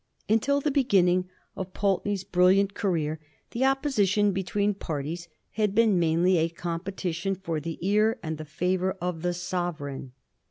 Until the beginning of Pulteney's brilliant career, the opposi tion between parties had been mainly a competition for the ear and the favour of the sovereign.